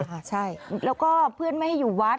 ใช่แล้วก็เพื่อนไม่ให้อยู่วัด